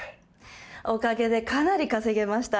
おかげでかなり稼げました。